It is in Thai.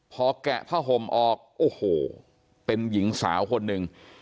พอแกะผ้าห่มออกโอ้โหเป็นหญิงสาวคนหนึ่ง